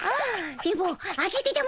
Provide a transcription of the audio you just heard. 電ボ開けてたも。